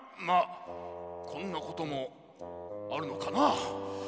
まあこんなこともあるのかな。